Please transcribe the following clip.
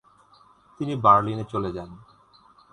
তিনি বার্লিনে চলে যান।